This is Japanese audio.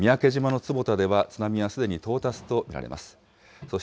三宅島の坪田では津波はすでに到達と見られます。